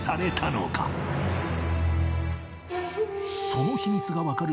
その秘密がわかる